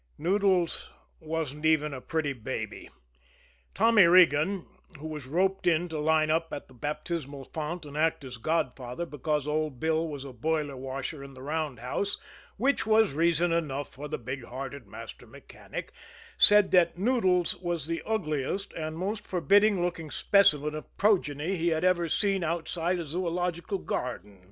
Noodles wasn't even a pretty baby. Tommy Regan, who was roped in to line up at the baptismal font and act as godfather because old Bill was a boiler washer in the roundhouse, which was reason enough for the big hearted master mechanic, said that Noodles was the ugliest and most forbidding looking specimen of progeny he had ever seen outside a zoological garden.